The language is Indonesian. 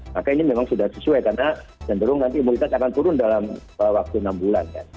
maka ini memang sudah sesuai karena cenderung nanti imunitas akan turun dalam waktu enam bulan